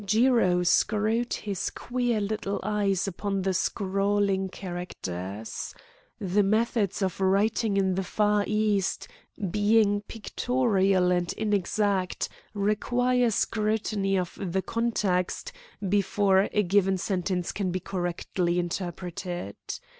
Jiro screwed his queer little eyes upon the scrawling characters. The methods of writing in the Far East, being pictorial and inexact, require scrutiny of the context before a given sentence can be correctly interpreted.